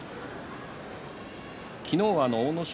昨日は阿武咲